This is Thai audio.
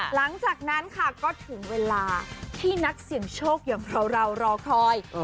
หลังจากนั้นค่ะก็ถึงเวลาที่นักเสี่ยงโชคอย่างเรารอคอย